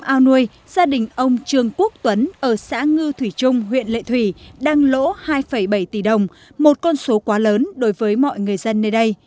ao nuôi gia đình ông trương quốc tuấn ở xã ngư thủy trung huyện lệ thủy đang lỗ hai bảy tỷ đồng một con số quá lớn đối với mọi người dân nơi đây